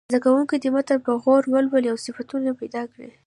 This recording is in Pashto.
زده کوونکي دې متن په غور ولولي او صفتونه پیدا کړي.